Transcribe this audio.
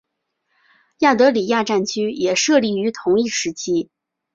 亚德里亚战区也设立于同一时期。